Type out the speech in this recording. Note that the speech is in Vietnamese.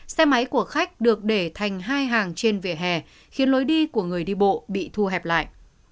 xe máy của khách được để thành hai hàng trên vỉa hè khiến lối đi của người đi bộ bị thu hẹp lại